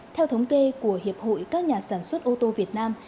theo thống kê của hiệp hội các nhà sản xuất ô tô việt nam